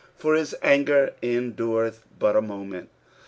For hi* anijer endurtth bat a moment."